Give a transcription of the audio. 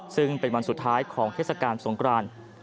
ซึ่งเป็นวันสุดท้ายของเทศกาลสงคราน